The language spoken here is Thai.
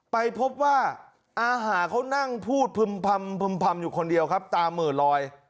ไปพบว่าอาหาเขานั่งพูดพึ่มอยู่คนเดียวครับตาเหมือลอย